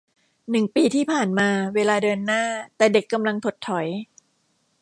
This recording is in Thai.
หนึ่งปีที่ผ่านมา เวลาเดินหน้า แต่เด็กกำลังถดถอย